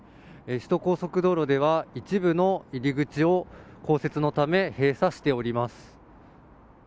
首都高速道路では一部の入り口を降雪のため閉鎖しております。